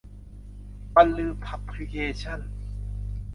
บันลือพับลิเคชั่นส์